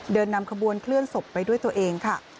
เดินนำขบวนเคลื่อนศพไปด้วยตัวเองค่ะ